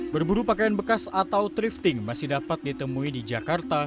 berburu pakaian bekas atau thrifting masih dapat ditemui di jakarta